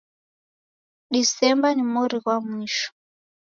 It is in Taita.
Disemba ni mori ghwa mwisho.